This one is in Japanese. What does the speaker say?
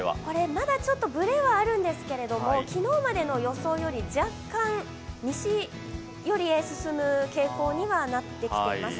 まだちょっとブレはあるんですけども、昨日までの予想より若干、西寄りへ進む傾向にはなってきています。